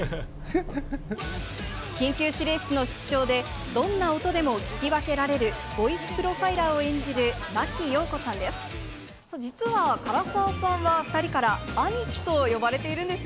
緊急指令室の室長で、どんな音でも聞き分けられる、ボイスプロファイラーを演じる、真木よう子さんです。